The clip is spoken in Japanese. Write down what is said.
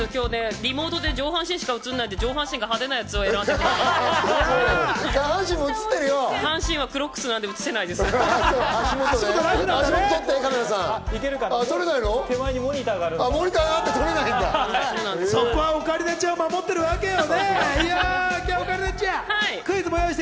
リモートで上半身しか映んないんで、上半身が派手なやつを選んできました。